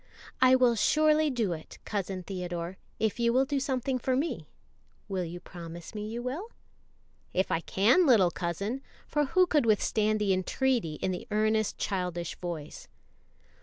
"I will surely do it, Cousin Theodore, if you will do something for me; will you promise me you will?" "If I can, little cousin;" for who could withstand the entreaty in the earnest childish voice?